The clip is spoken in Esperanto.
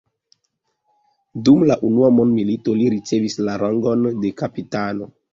Dum la unua mondmilito li ricevis la rangon de kapitano.